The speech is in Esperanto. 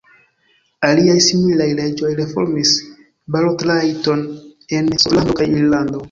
Aliaj similaj leĝoj reformis balotrajton en Skotlando kaj Irlando.